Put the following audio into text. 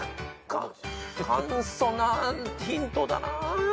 簡素なヒントだなぁ。